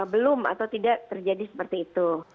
belum atau tidak terjadi seperti itu